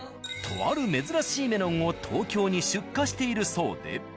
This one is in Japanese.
とある珍しいメロンを東京に出荷しているそうで。